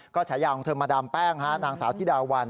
ก็แสดงมาดามแป้งนางสาวทิดาวัล